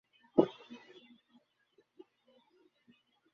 তিনি লেফট্যানেন্ট পদবী ধারণ করেন।